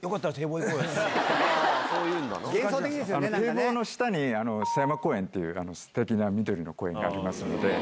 堤防の下に狭山公園っていうステキな緑の公園がありますので。